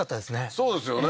そうですよね